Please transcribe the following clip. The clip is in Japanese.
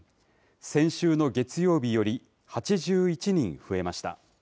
先週の月曜日より８１人増えました。